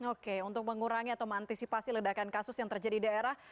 oke untuk mengurangi atau mengantisipasi ledakan kasus yang terjadi di daerah